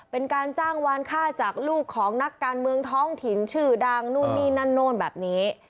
เป็นการจ้างวานค่าจากลูกของนักการเมืองท้องถิ่นชื่อดังนู่นนี่นั่นนู่นแบบนี้